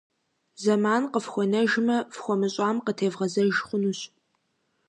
Зэман кьыфхуэнэжмэ, фхуэмыщӏам къытевгъэзэж хъунущ.